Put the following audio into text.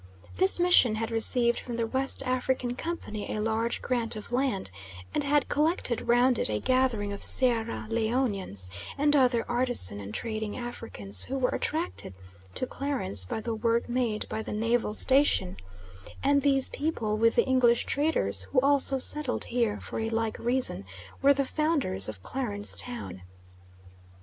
This mission had received from the West African Company a large grant of land, and had collected round it a gathering of Sierra Leonians and other artisan and trading Africans who were attracted to Clarence by the work made by the naval station; and these people, with the English traders who also settled here for a like reason, were the founders of Clarence Town.